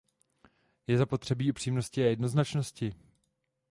Je zapotřebí upřímnosti a jednoznačnosti.